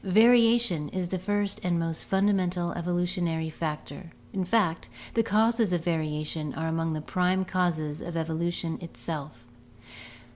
Variation is the first and most fundamental evolutionary factor, in fact, the causes of variation are among the prime causes of evolu tion itself.